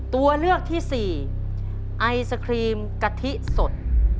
ตัวเลือกที่สี่ไอศครีมกะทิสด